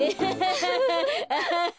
アハハハハ！